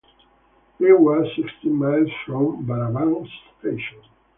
They were sixteen miles from Barambah Station.